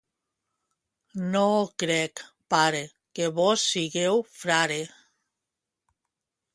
No ho crec, pare, que vós sigueu frare.